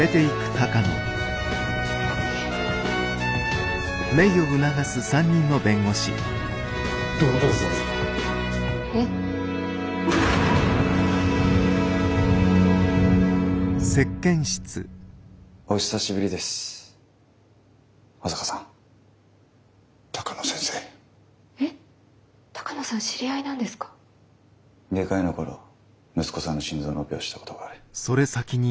外科医の頃息子さんの心臓のオペをしたことがある。